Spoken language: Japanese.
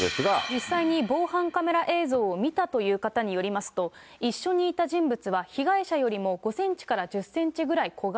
実際に防犯カメラ映像を見たという方によりますと、一緒にいた人物は、被害者よりも５センチから１０センチぐらい小柄。